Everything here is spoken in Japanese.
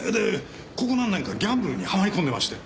ここ何年かギャンブルにはまり込んでまして。